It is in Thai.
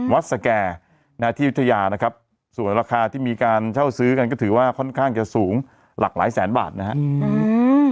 สแก่นะที่ยุธยานะครับส่วนราคาที่มีการเช่าซื้อกันก็ถือว่าค่อนข้างจะสูงหลากหลายแสนบาทนะครับ